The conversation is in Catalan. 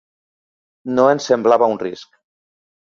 No ens semblava un risc.